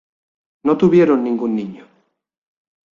No tuvieron ningún niño.